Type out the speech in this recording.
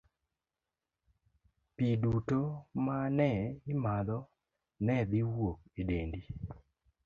Pi duto ma ne imadho ne dhi wuok e dendi.